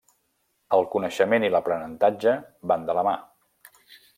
El coneixement i l'aprenentatge van de la mà.